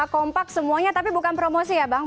kompak semuanya tapi bukan promosi ya bang